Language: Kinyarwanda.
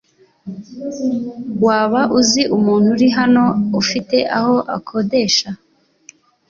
Waba uzi umuntu uri hano ufite aho akodesha?